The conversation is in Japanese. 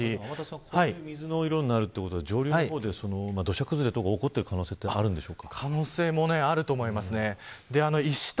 こういう水の色になるということは上流の方で土砂崩れが起こっている可能性は可能性はあると思います。